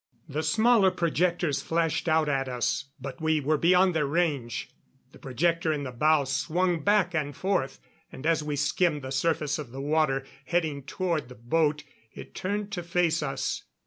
The smaller projectors flashed out at us, but we were beyond their range. The projector in the bow swung back and forth, and as we skimmed the surface of the water, heading toward the boat, it turned to face us.